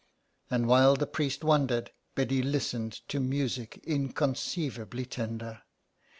And while the priest wondered, Biddy listened to music inconceivably tender.